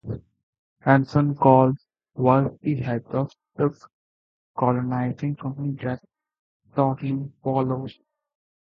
Anson Call was the head of the colonizing company that shortly followed.